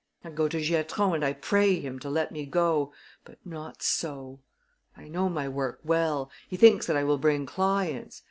"I go to Giatron and I pray him to let me go. But not so! I know my work well. He thinks that I will bring clients.